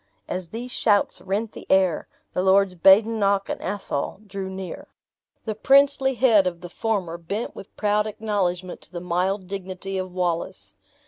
As these shouts rent the air, the Lords Badenoch and Athol drew near. The princely head of the former bent with proud acknowledgement to the mild dignity of Wallace.